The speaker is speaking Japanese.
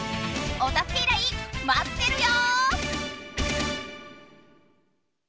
おたすけ依頼まってるよ！